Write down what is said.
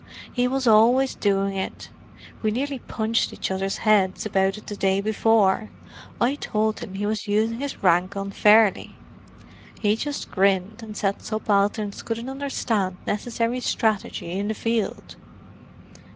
He was always doing it: we nearly punched each other's heads about it the day before—I told him he was using his rank unfairly. He just grinned and said subalterns couldn't understand necessary strategy in the field!"